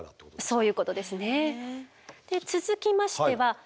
そういうことですね。